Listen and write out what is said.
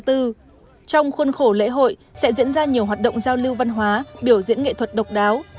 trong khuôn khổ lễ hội sẽ diễn ra nhiều hoạt động giao lưu văn hóa biểu diễn nghệ thuật độc đáo